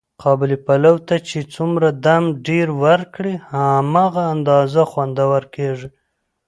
قابلي پلو ته چې څومره دم ډېر ور کړې، په هماغه اندازه خوندور کېږي.